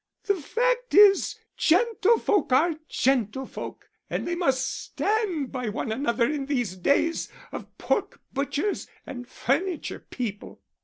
"The fact is gentlefolk are gentlefolk, and they must stand by one another in these days of pork butchers and furniture people."